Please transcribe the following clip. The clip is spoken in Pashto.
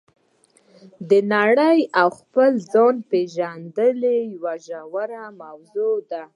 د نړۍ او خپل ځان پېژندل یوه ژوره موضوع ده.